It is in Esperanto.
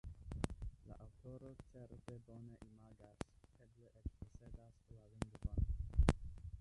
La aŭtoro certe bone imagas, eble eĉ posedas la lingvon.